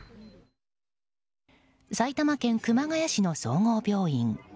埼玉県熊谷市の総合病院。